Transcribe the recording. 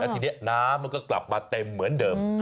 ทีนี้น้ำมันก็กลับมาเต็มเหมือนเดิม